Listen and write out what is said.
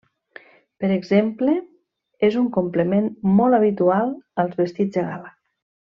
Per exemple, és un complement molt habitual als vestits de gala.